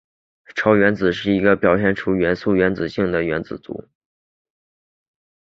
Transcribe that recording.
超原子是一个表现出元素的原子性质的原子团簇。